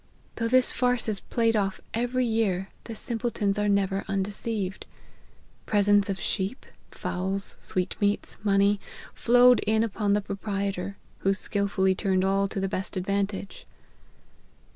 Though this farce is played off every year, the simpletons are never undeceived. Presents of sheep, fowls, sweetmeats, money, flowed in upon the proprietor, who skil fully turned all to the best advantage.